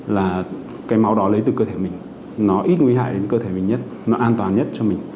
là cái máu đó lấy từ cơ thể mình nó ít nguy hại đến cơ thể mình nhất nó an toàn nhất cho mình